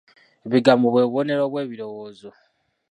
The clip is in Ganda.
Ebigambo bwe bubonero bw'ebirowoozo.